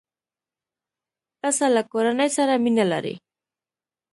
پسه له کورنۍ سره مینه لري.